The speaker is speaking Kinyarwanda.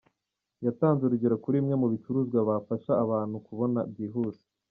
Yatanze urugero kuri bimwe mu bicuruzwa bafasha abantu kubona byihuse.